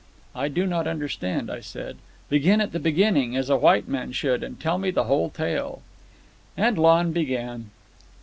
"I do not understand," I said. "Begin at the beginning, as a white man should, and tell me the whole tale." And Lon began.